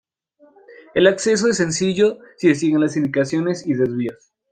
El acceso es sencillo si se siguen las indicaciones y desvíos.